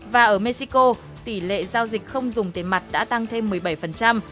và ở mexico tỷ lệ giao dịch không dùng tiền mặt đã tăng thêm một mươi bảy